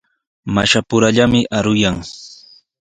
Mashapurallami aruyan.